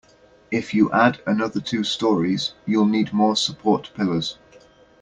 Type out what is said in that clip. If you add another two storeys, you'll need more support pillars.